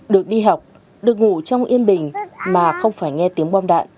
được đi học được ngủ trong yên bình mà không phải nghe tiếng bom đạn